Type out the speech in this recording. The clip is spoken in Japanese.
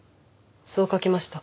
そう書きました。